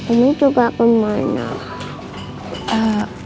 ibu juga kemana